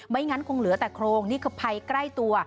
งั้นคงเหลือแต่โครงนี่คือภัยใกล้ตัว